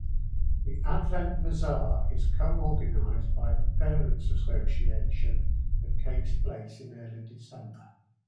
The Adventsbasar is co-organised by the Parents' Association that takes place in early December.